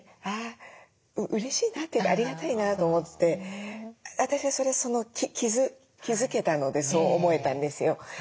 あうれしいなっていうかありがたいなと思って私はそれ気付けたのでそう思えたんですよ。